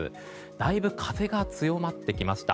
だいぶ風が強まってきました。